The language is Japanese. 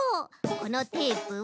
このテープを。